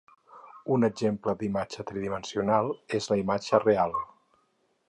Un exemple d'imatge tridimensional és la imatge 'real'.